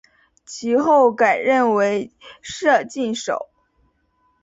其后改任为摄津守。